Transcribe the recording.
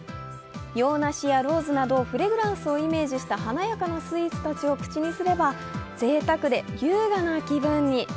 洋梨やローズなど、フレグランスをイメージした華やかなスイーツたちを口にすればぜいたくで優雅な気分に。